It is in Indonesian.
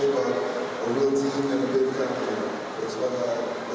dan banyak orang yang berharap bisa melakukannya